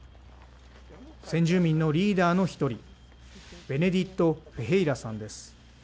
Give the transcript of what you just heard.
先住民のリーダーの１人、ベネディト・フェヘイラさんです。